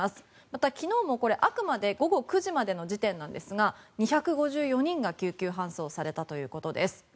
また、昨日もあくまでこれ午後９時までの時点なんですが２５４人が救急搬送されたということです。